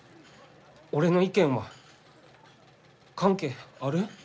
俺の意見は関係ある？